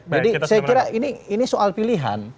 jadi saya kira ini soal pilihan